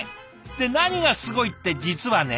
で何がすごいって実はね